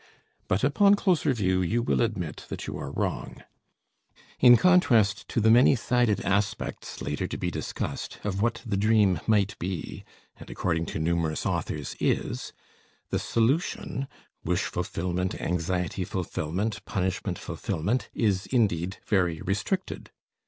But upon closer view you will admit that you are wrong. In contrast to the many sided to be discussed, of what the dream might be and, according to numerous authors, is the solution (wish fulfillment, anxiety fulfillment, punishment fulfillment) is indeed very restricted.